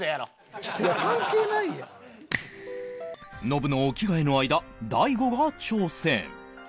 ノブのお着替えの間大悟が挑戦